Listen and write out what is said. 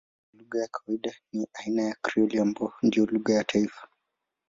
Hata hivyo lugha ya kawaida ni aina ya Krioli ambayo ndiyo lugha ya taifa.